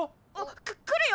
く来るよ！